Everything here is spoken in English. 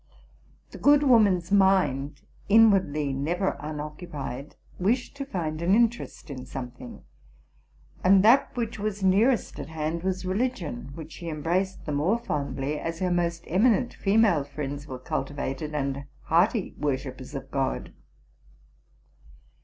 'The good woman's mind, inwardly never unoccupied, wished to find gn interest in something ; and that which was nearest at hand was religion, which she embraced the more fondly as her most eminent female friends were cultivated and hearty worshippers of God.